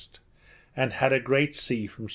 and had a great sea from S.